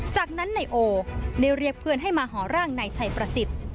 จากนั้นนายโอได้เรียกเพื่อนให้มาห่อร่างนายชัยประสิทธิ์